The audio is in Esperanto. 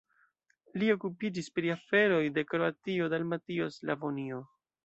Li okupiĝis pri aferoj de Kroatio-Dalmatio-Slavonio.